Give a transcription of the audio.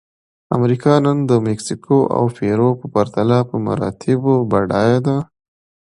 امریکا نن د مکسیکو او پیرو په پرتله په مراتبو بډایه ده.